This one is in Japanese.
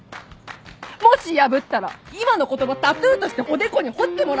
もし破ったら今の言葉タトゥーとしておでこに彫ってもらうから！